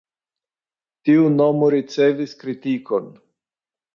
Tiu nomo ricevis kritikon.